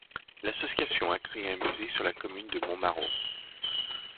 L'association a créé un musée sur la commune de Montmarault.